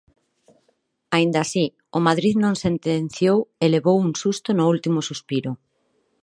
Aínda así, o Madrid non sentenciou e levou un susto no último suspiro.